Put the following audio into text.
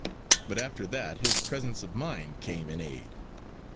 But after that his presence of mind came in aid.